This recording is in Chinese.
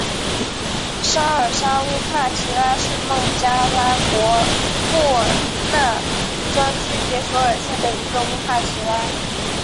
沙尔沙乌帕齐拉是孟加拉国库尔纳专区杰索尔县的一个乌帕齐拉。